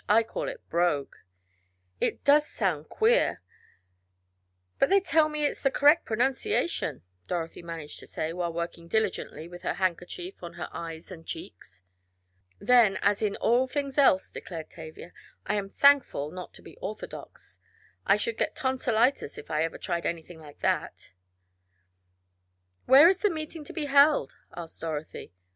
I call it brogue." "It does sound queer, but they tell me it is the correct pronunciation," Dorothy managed to say, while working diligently with her handkerchief on her eyes and cheeks. "Then, as in all things else," declared Tavia, "I am thankful not to be orthodox I should get tonsilitis if I ever tried anything like that." "Where is the meeting to be held?" asked Dorothy.